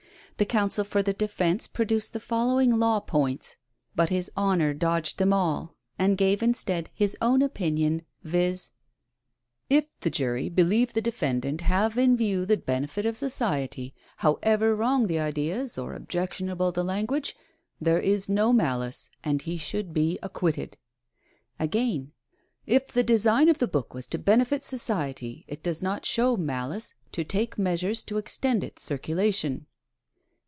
The counsel for tlie defence produced the following law points, but his honor dodged them all, and gave instead his own opinion, viz : 138 THE SOCIAL WAR OF 1900; OR, " If the jury believe the defendant have in view the benefit of society — however wrong tlie ideas or objection jible the language — there is no malice, and he should be acquitted." Again, " If the design of the book was to benefit society, it does not show malice to take iueasures to extend its cir culation."